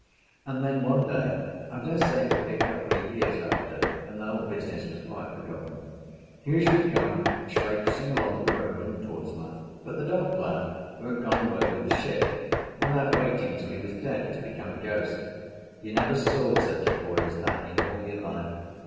And then one day, I dare say it would be a couple of years after, when the whole business was quite forgotten, who should come trapesing along the road from Portsmouth but the daft lad who had gone away with the ship, without waiting till he was dead to become a ghost. You never saw such a boy as that in all your life.